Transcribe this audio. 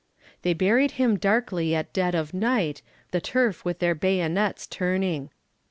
They buried him darkly at dead of night, The turf with their bayonets turning.